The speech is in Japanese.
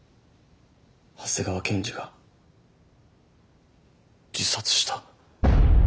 長谷川検事が自殺した。